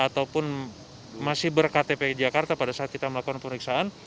ataupun masih berktpi jakarta pada saat kita melakukan pemeriksaan